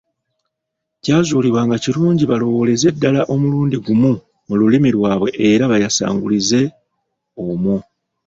Kyazuulibwa nga kirungi balowooleze ddala omulundi gumu mu lulimi lwabwe era baayasangulize omwo.